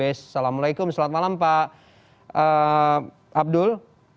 assalamualaikum selamat malam pak abdul